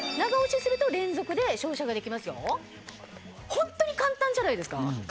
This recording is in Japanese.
ホントに簡単じゃないですか？